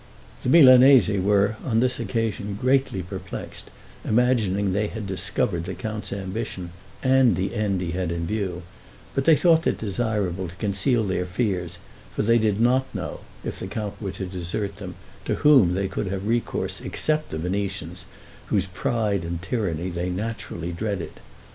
The Milanese were upon this occasion greatly perplexed, imagining they had discovered the count's ambition, and the end he had in view; but they thought it desirable to conceal their fears, for they did not know, if the count were to desert them, to whom they could have recourse except the Venetians, whose pride and tyranny they naturally dreaded.